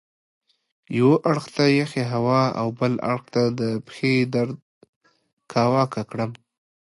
یوه اړخ ته یخې هوا او بل اړخ ته د پښې درد کاواکه کړم.